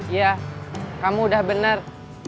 iya kamu udah benar